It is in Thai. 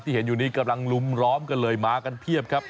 เห็นอยู่นี้กำลังลุมล้อมกันเลยมากันเพียบครับ